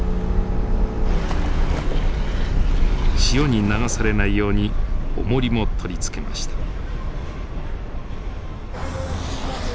潮に流されないようにおもりも取り付けました。